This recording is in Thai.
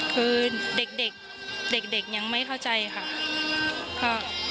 คือเด็กเด็กยังไม่เข้าใจค่ะ